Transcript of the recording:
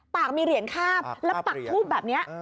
ปากมีเหรียญคาบแล้วปักทูบแบบนี้